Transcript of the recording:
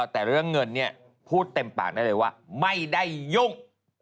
แต่เรื่องเงินเนี่ยพูดเต็มปากได้เลยว่าไม่ได้ยุ่ง